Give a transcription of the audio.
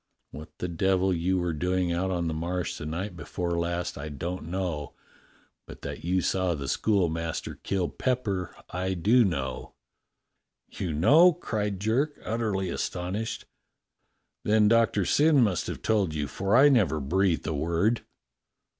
What the devil you were doing out on the Marsh the night before last I don't know, but that you saw the schoolmaster kill Pepper I do know." " You know ?" cried Jerk, utterly astonished. "Then Doctor Syn must have told you, for I never breathed a word."